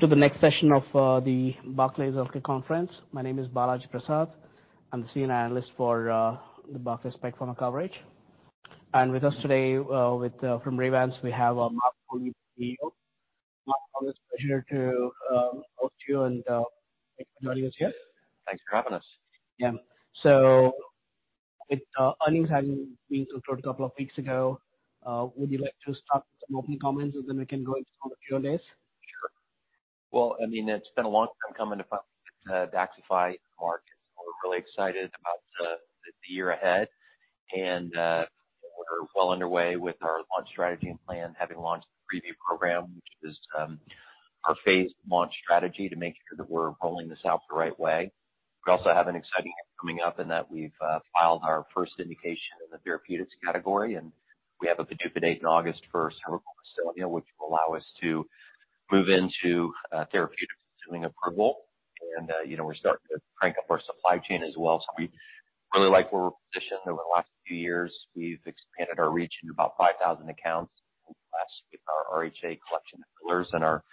To the next session of the Barclays Global Healthcare Conference. My name is Balaji Prasad. I'm the Senior Analyst for the Barclays coverage. With us today, from Revance, we have Mark J. Foley, CEO. Mark, always a pleasure to talk to you and thank you for joining us here. Thanks for having us. Yeah. With earnings having been concluded a couple of weeks ago, would you like to start with some opening comments, and then we can go into some of the Q&A's? Sure. Well, I mean, it's been a long time coming about DAXXIFY to market. We're really excited about the year ahead. We're well underway with our launch strategy and plan, having launched the preview program, which is our phased launch strategy to make sure that we're rolling this out the right way. We also have an exciting year coming up in that we've filed our first indication in the therapeutics category. We have a PDUFA date in August for cervical dystonia, which will allow us to move into therapeutics-seeking approval. You know, we're starting to crank up our supply chain as well. We really like where we're positioned. Over the last few years, we've expanded our reach into about 5,000 accounts, plus with our RHA Collection of fillers and our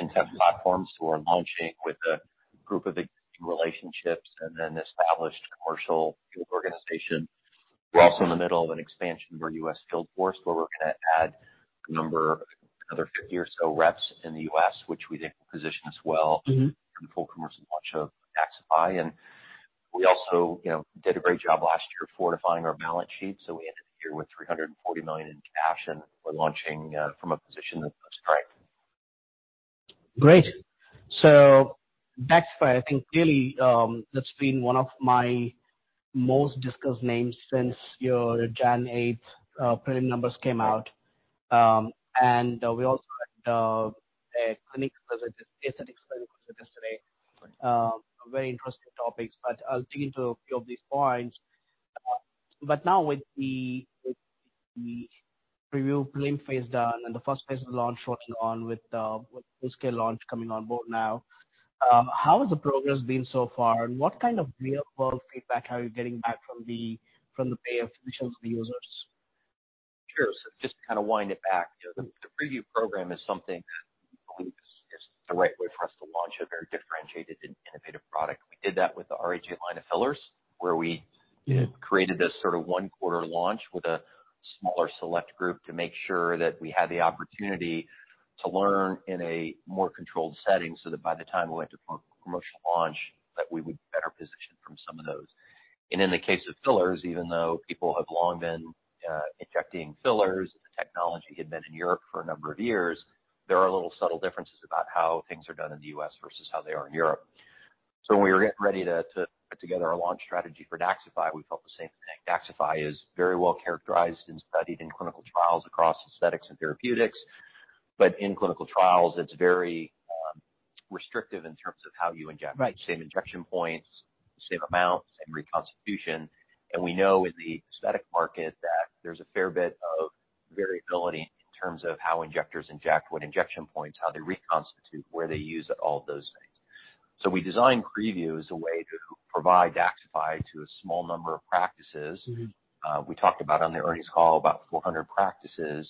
NTF platforms. We're launching with a group of existing relationships and an established commercial field organization. Great. We're also in the middle of an expansion of our U.S. field force, where we're gonna add a number, another 50 or so reps in the U.S., which we think will position us well. Mm-hmm. For the full commercial launch of DAXXIFY. We also, you know, did a great job last year fortifying our balance sheet. We ended the year with $340 million in cash, and we're launching from a position of strength Great. DAXXIFY, I think clearly, that's been one of my most discussed names since your January 8, prelim numbers came out. We also had a clinic visit, aesthetics clinic visit yesterday. Very interesting topics, I'll dig into a few of these points. Now with the preview prelim phase done and the first phase of the launch shortly on with full-scale launch coming on board now, how has the progress been so far, and what kind of real-world feedback are you getting back from the, from the pay of, in terms of the users? Sure. Just to kind of wind it back, you know, the preview program is something we believe is the right way for us to launch a very differentiated and innovative product. We did that with the RHA line of fillers. Mm-hmm. Created this sort of one-quarter launch with a smaller select group to make sure that we had the opportunity to learn in a more controlled setting so that by the time we went to pro-promotional launch, that we would be better positioned from some of those. In the case of fillers, even though people have long been injecting fillers, the technology had been in Europe for a number of years, there are little subtle differences about how things are done in the U.S. versus how they are in Europe. When we were getting ready to put together our launch strategy for DAXXIFY, we felt the same thing. DAXXIFY is very well characterized and studied in clinical trials across aesthetics and therapeutics. In clinical trials, it's very restrictive in terms of how you inject. Right. Same injection points, same amount, same reconstitution. We know in the aesthetic market that there's a fair bit of variability in terms of how injectors inject, what injection points, how they reconstitute, where they use it, all of those things. We designed preview as a way to provide DAXXIFY to a small number of practices. Mm-hmm. We talked about on the earnings call about 400 practices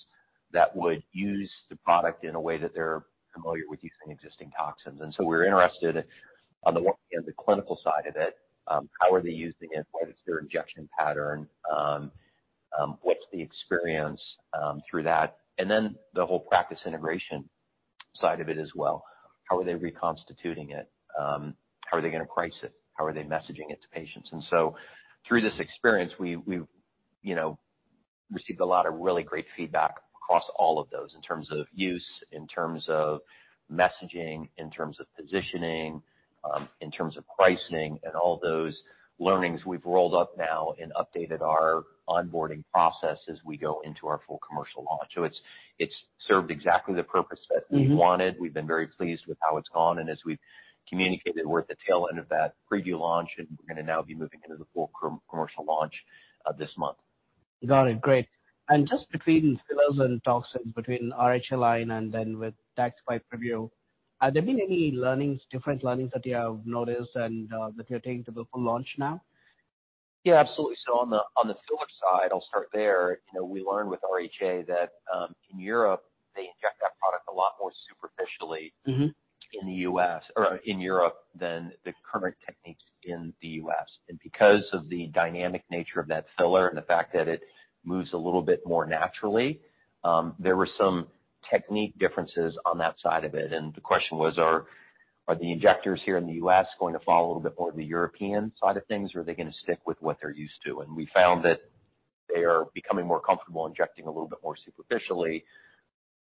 that would use the product in a way that they're familiar with using existing toxins. We're interested in the clinical side of it, how are they using it? What is their injection pattern? What's the experience through that? The whole practice integration side of it as well. How are they reconstituting it? How are they gonna price it? How are they messaging it to patients? Through this experience, we've, you know, received a lot of really great feedback across all of those in terms of use, in terms of messaging, in terms of positioning, in terms of pricing and all those learnings we've rolled up now and updated our onboarding process as we go into our full commercial launch. It's served exactly the purpose that we wanted. Mm-hmm. We've been very pleased with how it's gone, and as we've communicated, we're at the tail end of that preview launch, and we're gonna now be moving into the full commercial launch, this month. Just between fillers and toxins, between RHA line and then with DAXXIFY preview, have there been any learnings, different learnings that you have noticed and that you're taking to the full launch now? Yeah, absolutely. On the filler side, I'll start there. You know, we learned with RHA that, in Europe, they inject that product a lot more superficially. Mm-hmm. In the U.S. or in Europe than the current techniques in the U.S.. Because of the dynamic nature of that filler and the fact that it moves a little bit more naturally, there were some technique differences on that side of it, and the question was, are the injectors here in the U.S. going to follow a little bit more the European side of things, or are they gonna stick with what they're used to? We found that they are becoming more comfortable injecting a little bit more superficially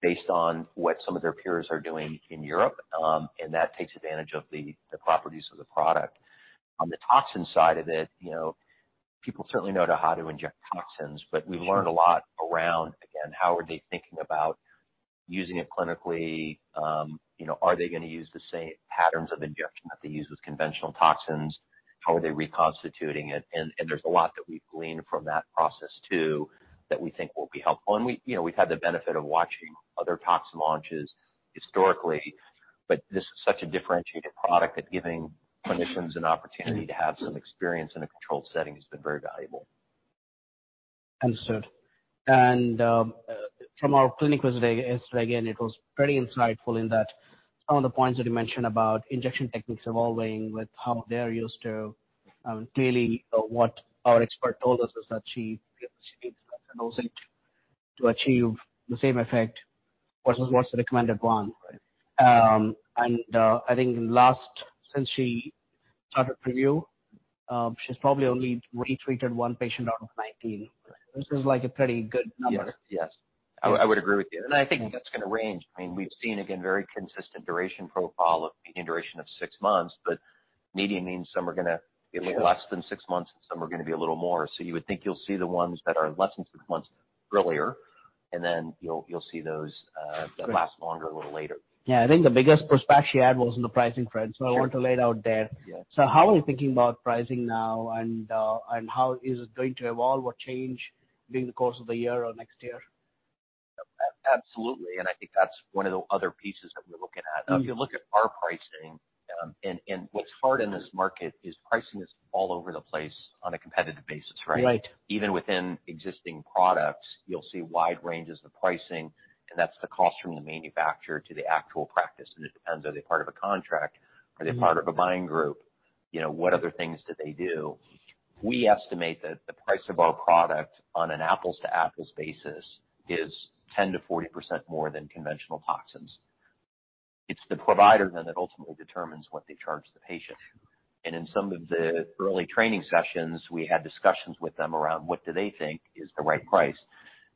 based on what some of their peers are doing in Europe, and that takes advantage of the properties of the product. On the toxin side of it, you know, people certainly know how to inject toxins, but we've learned a lot around, again, how are they thinking about using it clinically. You know, are they gonna use the same patterns of injection that they use with conventional toxins? How are they reconstituting it? There's a lot that we've gleaned from that process too, that we think will be helpful. We, you know, we've had the benefit of watching other toxin launches historically, but this is such a differentiated product that giving clinicians an opportunity to have some experience in a controlled setting has been very valuable. Understood. From our clinic visit yesterday, again, it was pretty insightful in that some of the points that you mentioned about injection techniques evolving with how they're used to, clearly what our expert told us is that she gets to achieve the same effect versus what's the recommended one. I think last, since she started with you, she's probably only retreated one patient out of 19. This is like a pretty good number. Yes. I would agree with you. I think that's gonna range. I mean, we've seen, again, very consistent duration profile of median duration of six months. Median means some are gonna be less than six months and some are gonna be a little more. You would think you'll see the ones that are less than six months earlier. You'll see those that last longer a little later. Yeah. I think the biggest pushback she had was in the pricing front. I want to lay it out there. Yeah. How are you thinking about pricing now and how is it going to evolve or change during the course of the year or next year? Absolutely. I think that's one of the other pieces that we're looking at. Mm-hmm. If you look at our pricing, and what's hard in this market is pricing is all over the place on a competitive basis, right? Right. Even within existing products, you'll see wide ranges of pricing, that's the cost from the manufacturer to the actual practice. It depends, are they part of a contract? Mm-hmm. Are they part of a buying group? You know, what other things do they do? We estimate that the price of our product on an apples-to-apples basis is 10%-40% more than conventional toxins. It's the provider then that ultimately determines what they charge the patient. In some of the early training sessions, we had discussions with them around what do they think is the right price.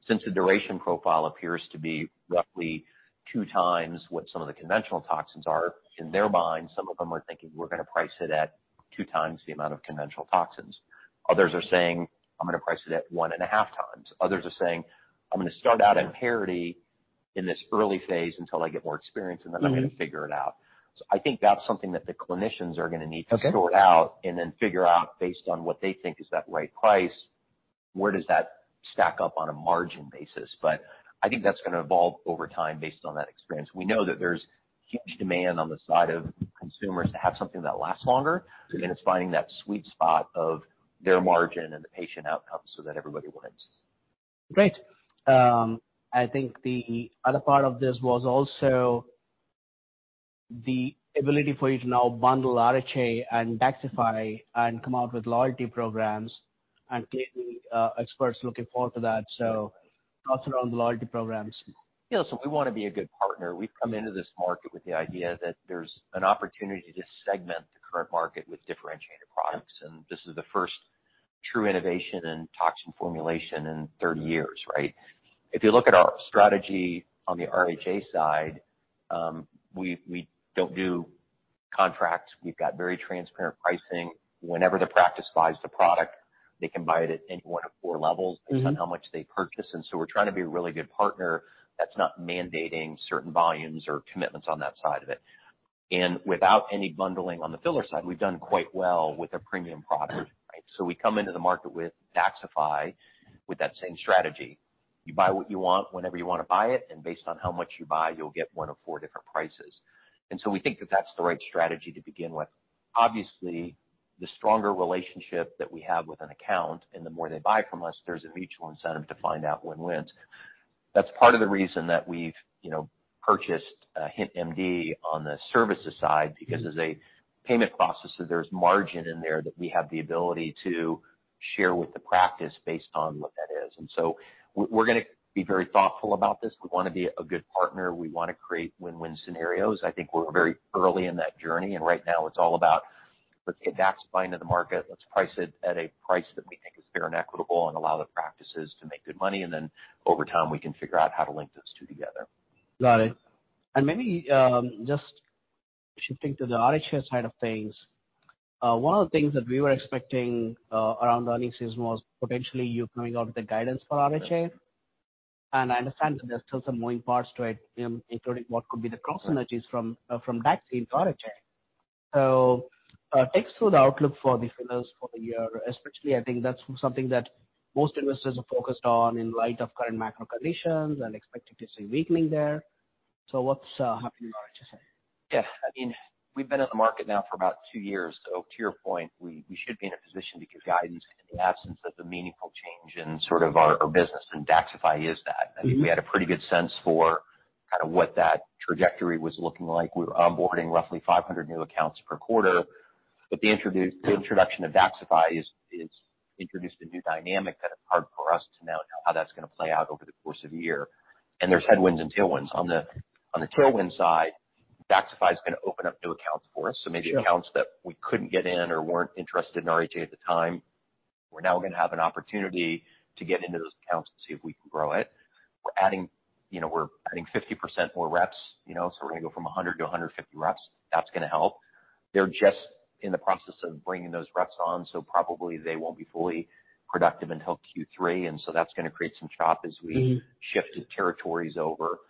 Since the duration profile appears to be roughly two times what some of the conventional toxins are, in their minds, some of them are thinking, we're gonna price it at 2x the amount of conventional toxins. Others are saying, I'm gonna price it at 1.5x. Others are saying, I'm gonna start out at parity in this early phase until I get more experience, and then I'm gonna figure it out. I think that's something that the clinicians are gonna need to- Okay. Sort out and then figure out based on what they think is that right price, where does that stack up on a margin basis. I think that's gonna evolve over time based on that experience. We know that there's huge demand on the side of consumers to have something that lasts longer, and it's finding that sweet spot of their margin and the patient outcome so that everybody wins. Great. I think the other part of this was also the ability for you to now bundle RHA and DAXXIFY and come out with loyalty programs and clearly, experts looking forward to that. Thoughts around the loyalty programs. Yeah. We wanna be a good partner. We've come into this market with the idea that there's an opportunity to segment the current market with differentiated products, and this is the first true innovation in toxin formulation in 30 years, right? If you look at our strategy on the RHA side, we don't do contracts. We've got very transparent pricing. Whenever the practice buys the product, they can buy it at any one of four levels based on how much they purchase. We're trying to be a really good partner that's not mandating certain volumes or commitments on that side of it. Without any bundling on the filler side, we've done quite well with a premium product, right? We come into the market with DAXXIFY with that same strategy. You buy what you want whenever you wanna buy it, based on how much you buy, you'll get one of four different prices. We think that that's the right strategy to begin with. Obviously, the stronger relationship that we have with an account and the more they buy from us, there's a mutual incentive to find out win-wins. That's part of the reason that we've, you know, purchased HintMD on the services side because as a payment processor, there's margin in there that we have the ability to share with the practice based on what that is. We're gonna be very thoughtful about this. We wanna be a good partner. We wanna create win-win scenarios. I think we're very early in that journey, right now it's all about, let's get DAXXIFY into the market. Let's price it at a price that we think is fair and equitable and allow the practices to make good money. Then over time, we can figure out how to link those two together. Got it. Maybe, just shifting to the RHA side of things, one of the things that we were expecting, around the earnings season was potentially you coming out with the guidance for RHA. I understand that there's still some moving parts to it, including what could be the cross synergies from Daxi to RHA. Take us through the outlook for the fillers for the year, especially I think that's something that most investors are focused on in light of current macro conditions and expected to see weakening there. What's happening with RHA? Yeah. I mean, we've been in the market now for about two years. To your point, we should be in a position to give guidance in the absence of the meaningful change in sort of our business, and DAXXIFY is that. Mm-hmm. I think we had a pretty good sense for kind of what that trajectory was looking like. We were onboarding roughly 500 new accounts per quarter. The introduction of DAXXIFY is introduced a new dynamic that is hard for us to know how that's gonna play out over the course of a year. There's headwinds and tailwinds. On the tailwind side, DAXXIFY is gonna open up new accounts for us. Sure. Maybe accounts that we couldn't get in or weren't interested in RHA at the time, we're now gonna have an opportunity to get into those accounts and see if we can grow it. We're adding, you know, 50% more reps, you know, so we're gonna go from 100 to 150 reps. That's gonna help. They're just in the process of bringing those reps on, so probably they won't be fully productive until Q3, and so that's gonna create some chop. Mm-hmm. Shift the territories over.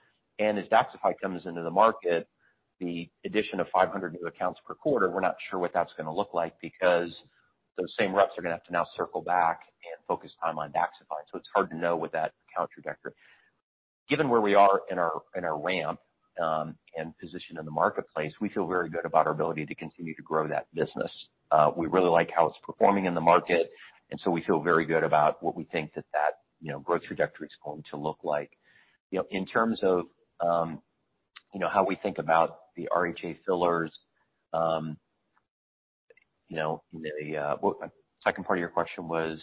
As DAXXIFY comes into the market, the addition of 500 new accounts per quarter, we're not sure what that's going to look like because those same reps are going to have to now circle back and focus time on DAXXIFY. It's hard to know what that account trajectory. Given where we are in our, in our ramp, and position in the marketplace, we feel very good about our ability to continue to grow that business. We really like how it's performing in the market, we feel very good about what we think that, you know, growth trajectory is going to look like. You know, in terms of, you know, how we think about the RHA fillers, you know, the. Second part of your question was.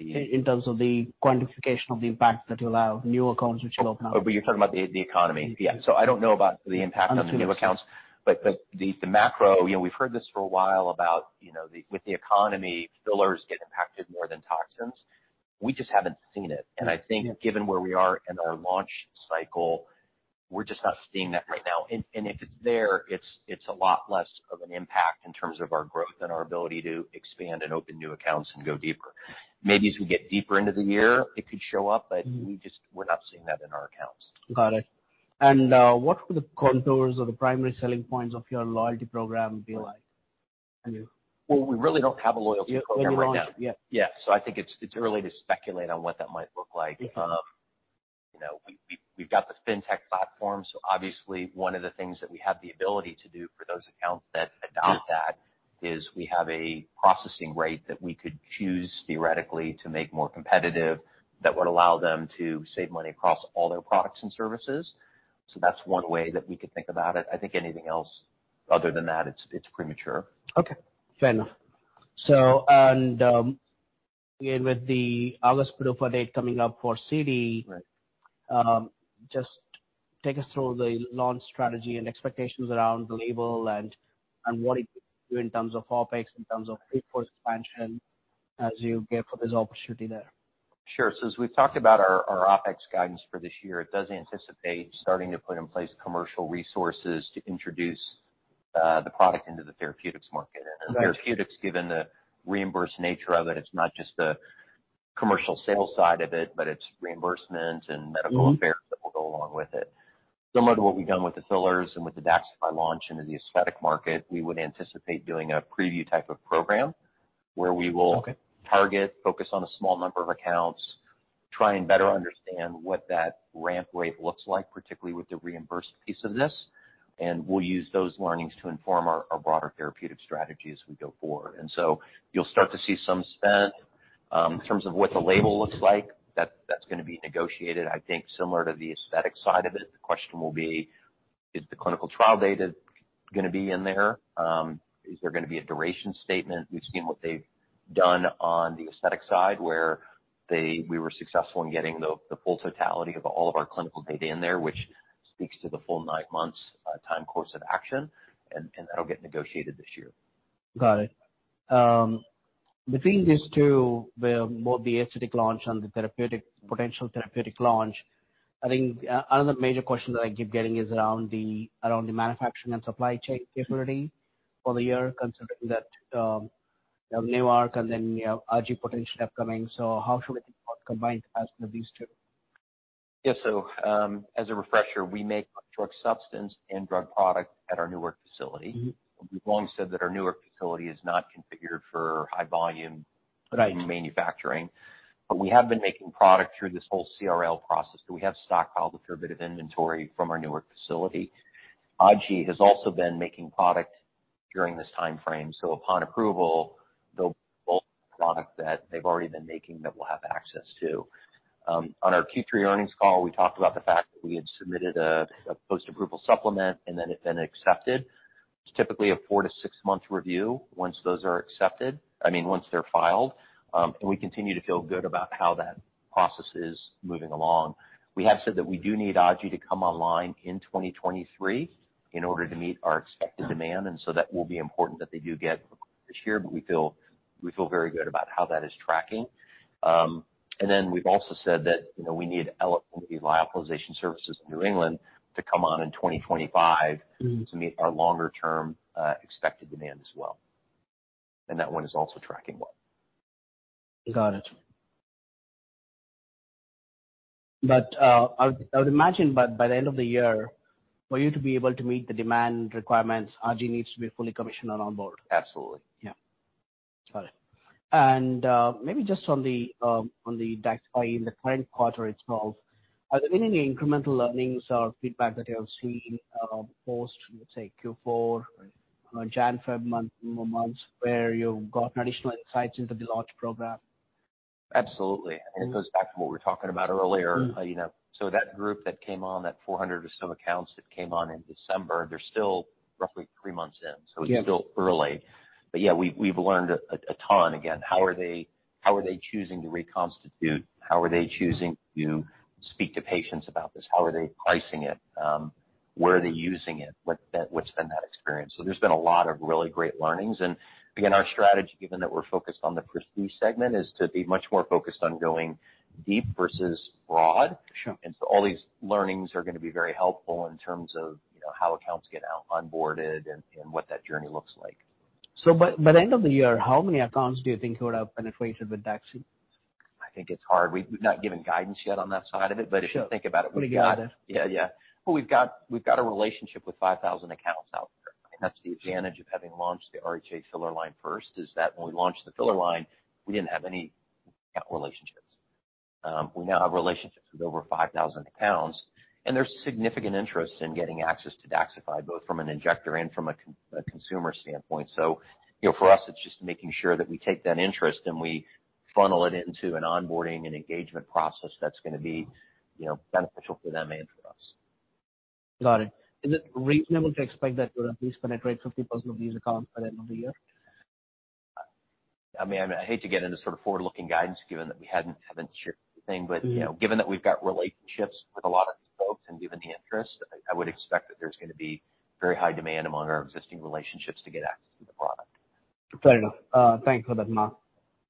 In terms of the quantification of the impact that your new accounts which you have now. Oh, you're talking about the economy. The economy. I don't know about the impact on the new accounts, but the macro, you know, we've heard this for a while about, you know, with the economy, fillers get impacted more than toxins. We just haven't seen it. Yeah. I think given where we are in our launch cycle, we're just not seeing that right now. If it's there, it's a lot less of an impact in terms of our growth and our ability to expand and open new accounts and go deeper. Maybe as we get deeper into the year, it could show up, but we're not seeing that in our accounts. Got it. What would the contours or the primary selling points of your loyalty program be like? Well, we really don't have a loyalty program right now. When you launch. Yeah. Yeah. I think it's early to speculate on what that might look like. Yeah. you know, we've got the fintech platform. Obviously one of the things that we have the ability to do for those accounts that adopt that is we have a processing rate that we could choose theoretically to make more competitive that would allow them to save money across all their products and services. That's one way that we could think about it. I think anything else other than that, it's premature. Okay. Fair enough. Again, with the August PDUFA date coming up for CD. Right. Just take us through the launch strategy and expectations around the label and what it could do in terms of OpEx, in terms of workforce expansion as you go for this opportunity there. Sure. As we've talked about our OpEx guidance for this year, it does anticipate starting to put in place commercial resources to introduce the product into the therapeutics market. Got it. Therapeutics, given the reimbursed nature of it's not just the commercial sales side of it, but it's reimbursement and medical affairs that will go along with it. Similar to what we've done with the fillers and with the DAXXIFY launch into the aesthetic market, we would anticipate doing a preview type of program. Okay. target, focus on a small number of accounts, try and better understand what that ramp rate looks like, particularly with the reimbursed piece of this, and we'll use those learnings to inform our broader therapeutic strategy as we go forward. You'll start to see some spend. In terms of what the label looks like, that's gonna be negotiated. I think similar to the aesthetic side of it, the question will be, is the clinical trial data gonna be in there? Is there gonna be a duration statement? We've seen what they've done on the aesthetic side, where we were successful in getting the full totality of all of our clinical data in there, which speaks to the full 9 months time course of action, and that'll get negotiated this year. Got it. Between these two, both the aesthetic launch and the potential therapeutic launch, I think another major question that I keep getting is around the manufacturing and supply chain capability for the year, considering that you have Newark and then, you have RG potential upcoming. How should we think about combined capacity of these two? Yeah. As a refresher, we make drug substance and drug product at our Newark facility. Mm-hmm. We've long said that our Newark facility is not configured for high volume- Right. manufacturing. We have been making product through this whole CRL process, so we have stockpiled a fair bit of inventory from our Newark facility. RG has also been making product during this timeframe, so upon approval, they'll product that they've already been making that we'll have access to. On our Q3 earnings call, we talked about the fact that we had submitted a post-approval supplement, and that had been accepted. It's typically a four-six month review once those are accepted, I mean, once they're filed, and we continue to feel good about how that process is moving along. We have said that we do need RG to come online in 2023 in order to meet our expected demand, and so that will be important that they do get this year. We feel very good about how that is tracking. We've also said that, you know, we need LSNE's Lyophilization services in New England to come on in 2025. Mm-hmm. To meet our longer-term, expected demand as well. That one is also tracking well. Got it. I would imagine by the end of the year, for you to be able to meet the demand requirements, RG needs to be fully commissioned and on board. Absolutely. Yeah. Got it. Maybe just on the DAXXIFY in the current quarter itself, are there any incremental learnings or feedback that you have seen, post, let's say, Q4 or January, February months, where you've got additional insights into the launch program? Absolutely. Mm. It goes back to what we were talking about earlier. Mm. You know, that group that came on, that 400 or so accounts that came on in December, they're still roughly three months in. Yeah. It's still early. Yeah, we've learned a ton. Again, how are they choosing to reconstitute? How are they choosing to speak to patients about this? How are they pricing it? Where are they using it? What's been that experience? There's been a lot of really great learnings. Again, our strategy, given that we're focused on the prestige segment, is to be much more focused on going deep versus broad. Sure. All these learnings are gonna be very helpful in terms of, you know, how accounts get out onboarded and what that journey looks like. By the end of the year, how many accounts do you think you would have penetrated with DAXXIFY? I think it's hard. We've not given guidance yet on that side of it. Sure. If you think about it. Understood. Yeah, yeah. We've got a relationship with 5,000 accounts out there. That's the advantage of having launched the RHA Filler line first, is that when we launched the Filler line, we didn't have any relationships. We now have relationships with over 5,000 accounts, and there's significant interest in getting access to DAXXIFY, both from an injector and from a consumer standpoint. You know, for us, it's just making sure that we take that interest and we funnel it into an onboarding and engagement process that's gonna be, you know, beneficial for them and for us. Got it. Is it reasonable to expect that you'll at least penetrate 50% of these accounts by the end of the year? I mean, I hate to get into sort of forward-looking guidance given that we haven't shared anything. Mm-hmm. You know, given that we've got relationships with a lot of these folks and given the interest, I would expect that there's gonna be very high demand among our existing relationships to get access to the product. Fair enough. Thank you for that, Mark.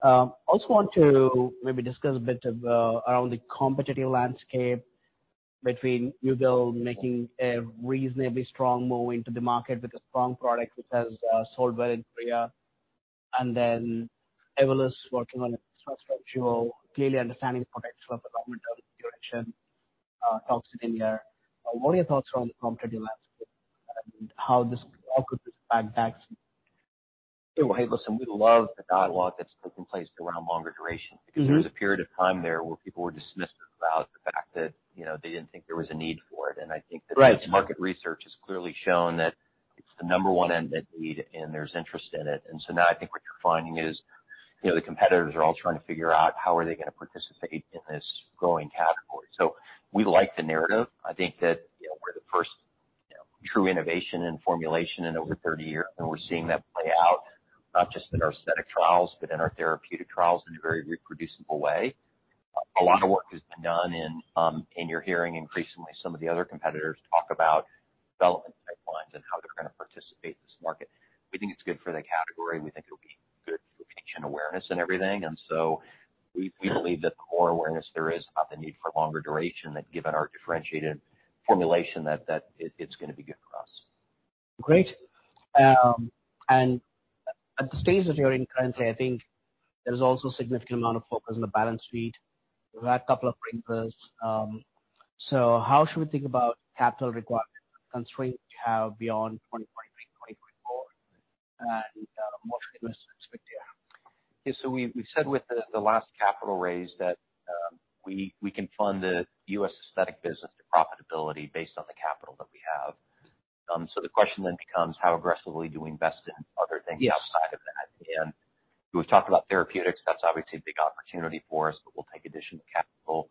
I also want to maybe discuss a bit of around the competitive landscape between Galderma making a reasonably strong move into the market with a strong product, which has sold well in Korea, and then Evolus working on a structural, clearly understanding the potential for longer-term duration, toxin in there. What are your thoughts around the competitive landscape and how could this impact DAXXIFY? Yeah. Well, hey, listen, we love the dialogue that's taken place around longer duration. Mm-hmm. There was a period of time there where people were dismissive about the fact that, you know, they didn't think there was a need for it. I think that. Right The market research has clearly shown that it's the number one unmet need and there's interest in it. Now I think what you're finding is, you know, the competitors are all trying to figure out how are they gonna participate in this growing category. We like the narrative. I think that, you know, we're the first, you know, true innovation in formulation in over 30 years, and we're seeing that play out, not just in our aesthetic trials, but in our therapeutic trials in a very reproducible way. A lot of work has been done and you're hearing increasingly some of the other competitors talk about development pipelines and how they're gonna participate in this market. We think it's good for the category. We think it'll be good for patient awareness and everything. We believe that the more awareness there is about the need for longer duration, that given our differentiated formulation, that it's gonna be good for us. Great. At the stage that you're in currently, I think there's also a significant amount of focus on the balance sheet. You've had a couple of printers. How should we think about capital requirement constraints you have beyond 2023, 2024, and more forgiveness expected there? Yeah. We said with the last capital raise that, we can fund the U.S. aesthetic business to profitability based on the capital that we have. The question then becomes how aggressively do we invest in other things. Yes Outside of that? We've talked about therapeutics, that's obviously a big opportunity for us, but we'll take additional capital.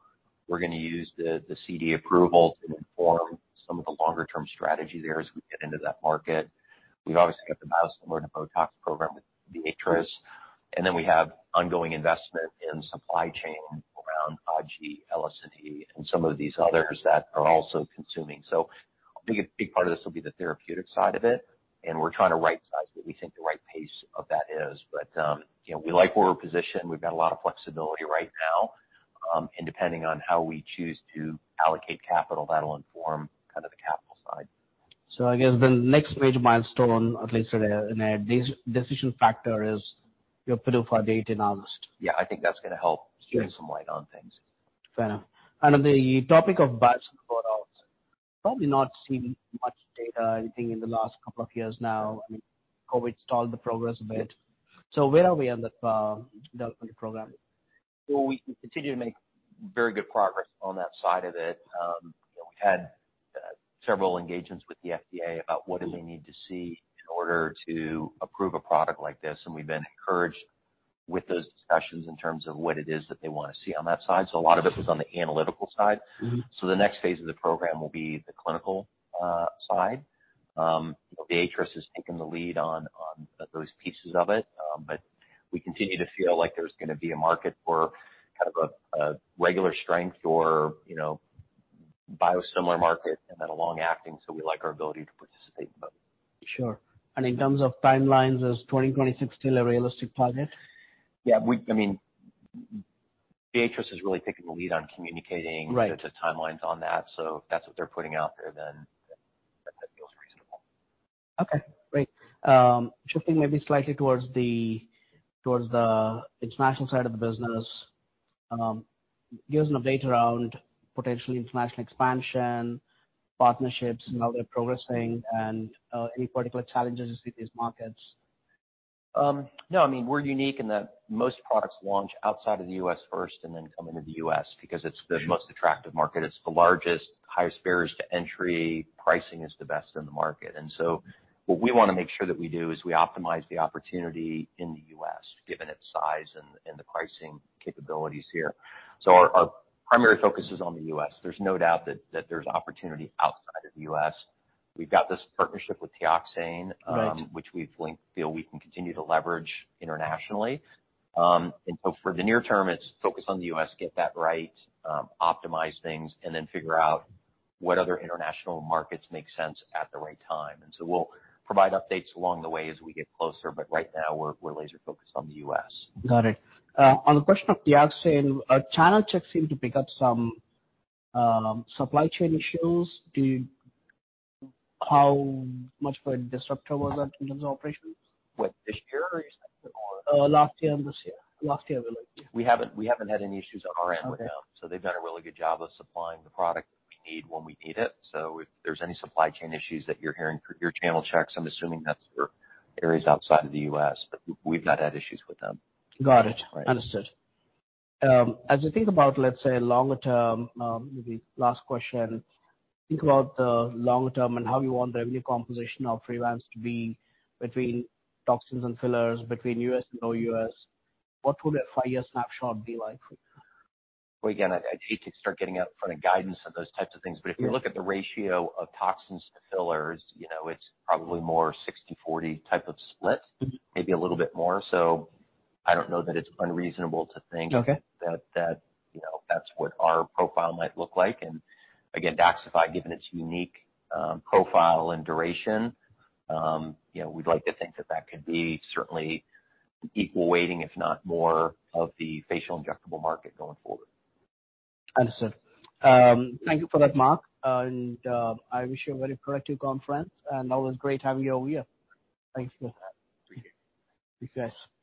We're gonna use the CD approval to inform some of the longer-term strategy there as we get into that market. We've obviously got the biosimilar to BOTOX program with Viatris, then we have ongoing investment in supply chain around RG, LSNE and some of these others that are also consuming. I think a big part of this will be the therapeutic side of it, and we're trying to rightsize what we think the right pace of that is. You know, we like where we're positioned. We've got a lot of flexibility right now, depending on how we choose to allocate capital, that'll inform kind of the capital side. I guess the next major milestone, at least in a decision factor is your PDUFA date in August. Yeah. I think that's gonna help shed some light on things. Fair enough. On the topic of biosimilars, probably not seen much data, I think, in the last couple of years now. I mean, COVID stalled the progress a bit. Where are we on that, development program? Well, we continue to make very good progress on that side of it. You know, we've had several engagements with the FDA about what do they need to see in order to approve a product like this. We've been encouraged with those discussions in terms of what it is that they wanna see on that side. A lot of it was on the analytical side. Mm-hmm. The next phase of the program will be the clinical side. you know, Viatris has taken the lead on those pieces of it. We continue to feel like there's gonna be a market for kind of a regular strength or, you know, biosimilar market and then a long-acting, so we like our ability to participate in both. Sure. In terms of timelines, is 2026 still a realistic target? Yeah. I mean, Viatris is really taking the lead on communicating- Right The timelines on that. If that's what they're putting out there, then that feels reasonable. Okay. Great. Shifting maybe slightly towards the international side of the business. Do you have some update around potentially international expansion, partnerships and how they're progressing and, any particular challenges you see in these markets? No. I mean, we're unique in that most products launch outside of the U.S. first and then come into the U.S. because it's the most attractive market. It's the largest, highest barriers to entry, pricing is the best in the market. What we wanna make sure that we do is we optimize the opportunity in the U.S., given its size and the pricing capabilities here. Our primary focus is on the U.S. There's no doubt that there's opportunity outside of the U.S. We've got this partnership with Teoxane. Right Which we feel we can continue to leverage internationally. For the near term, it's focused on the U.S., get that right, optimize things, and then figure out what other international markets make sense at the right time. We'll provide updates along the way as we get closer, but right now we're laser-focused on the U.S. Got it. On the question of Teoxane, our channel checks seem to pick up some supply chain issues. How much of a disruptor was that in terms of operations? What, this year or are you saying before? Last year and this year. Last year, really. We haven't had any issues on our end with them. Okay. They've done a really good job of supplying the product we need when we need it. If there's any supply chain issues that you're hearing through your channel checks, I'm assuming that's for areas outside of the US, but we've not had issues with them. Got it. Right. Understood. As you think about, let's say, longer term, maybe last question. Think about the longer term and how you want the revenue composition of Revance to be between toxins and fillers, between U.S. and non-U.S. What would a five-year snapshot be like for you? Well, again, I'd hate to start getting out in front of guidance of those types of things. Yeah. If you look at the ratio of toxins to fillers, you know, it's probably more 60/40 type of split. Mm-hmm. Maybe a little bit more. I don't know that it's unreasonable to think. Okay That, you know, that's what our profile might look like. Again, DAXXIFY, given its unique profile and duration, you know, we'd like to think that that could be certainly equal weighting, if not more of the facial injectable market going forward. Understood. Thank you for that, Mark. I wish you a very productive conference, and always great having you on here. Thanks for that. Appreciate it. Thanks, guys.